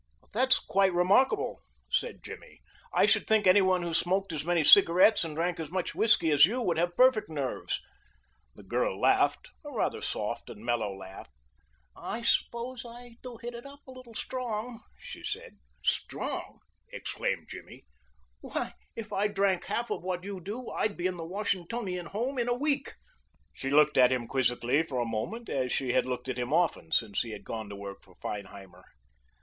"That's quite remarkable," said Jimmy. "I should think any one who smoked as many cigarettes and drank as much whisky as you would have perfect nerves." The girl laughed, a rather soft and mellow laugh. "I suppose I do hit it up a little strong," she said. "Strong?" exclaimed Jimmy. "Why, if I drank half what you do I'd be in the Washingtonian Home in a week." She looked at him quizzically for a moment, as she had looked at him often since he had gone to work for Feinheimer.